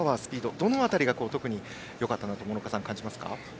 どの辺りが特によかったと諸岡さんは感じますか？